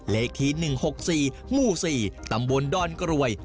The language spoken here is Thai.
เลขที่๑๖๔หมู่๔ตำบลดอนกรวย